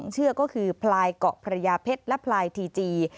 เชือกก็คือพลายเกาะพระยาเพชรและพลายทีจี